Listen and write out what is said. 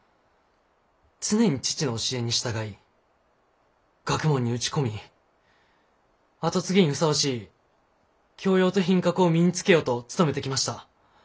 常に父の教えに従い学問に打ち込み後継ぎにふさわしい教養と品格を身につけようと努めてきました。